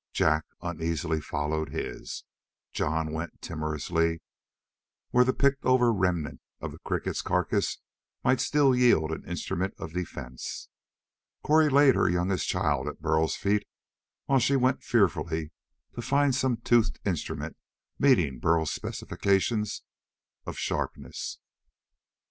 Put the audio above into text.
Jak uneasily followed his. Jon went timorously where the picked over remnant of the cricket's carcass might still yield an instrument of defense. Cori laid her youngest child at Burl's feet while she went fearfully to find some toothed instrument meeting Burl's specification of sharpness.